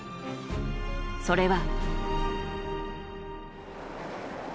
それは。